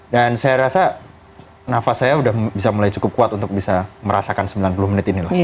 dan saya rasa nafas saya udah bisa mulai cukup kuat untuk bisa merasakan sembilan puluh menit ini lah